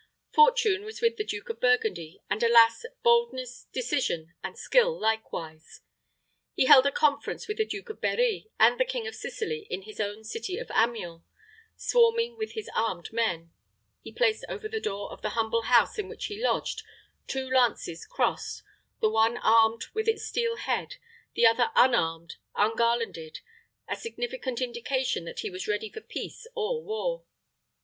Fortune was with the Duke of Burgundy, and alas! boldness, decision, and skill likewise. He held a conference with the Duke of Berri, and the King of Sicily in his own city of Amiens, swarming with his armed men. He placed over the door of the humble house in which he lodged two lances crossed, the one armed with its steel head, the other unarmed, ungarlanded a significant indication that he was ready for peace or war.